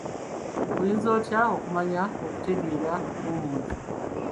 Oyinza otya okumanya okutegeera kw'omuntu?